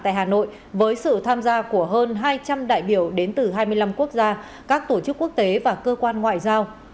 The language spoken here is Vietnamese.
tại hà nội với sự tham gia của hơn hai trăm linh đại biểu đến từ hai mươi năm quốc gia các tổ chức quốc tế và cơ quan ngoại giao